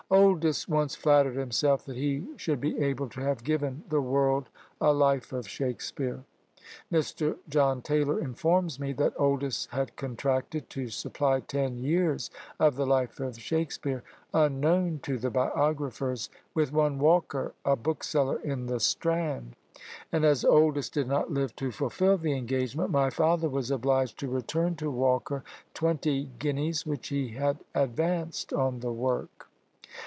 Oldys once flattered himself that he should be able to have given the world a Life of Shakspeare. Mr. John Taylor informs me, that "Oldys had contracted to supply ten years of the life of Shakspeare unknown to the biographers, with one Walker, a bookseller in the Strand; and as Oldys did not live to fulfil the engagement, my father was obliged to return to Walker twenty guineas which he had advanced on the work."